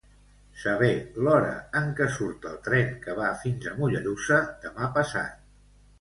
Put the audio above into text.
Saber l'hora en què surt el tren que va fins a Mollerussa demà passat.